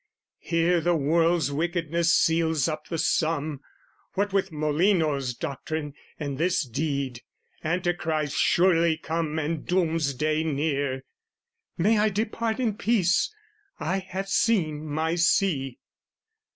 "Here the world's wickedness seals up the sum: "What with Molinos' doctrine and this deed, "Antichrist's surely come and doomsday near. "May I depart in peace, I have seen my see."